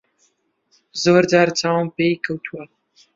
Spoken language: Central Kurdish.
زۆر جار چاوم پێی کەوتووە.